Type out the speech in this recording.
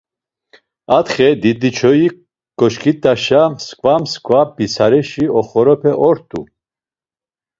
Atxe Didiçoyi ǩoşǩit̆aşa, msǩva msǩva pitsarişi oxorepe ort̆u.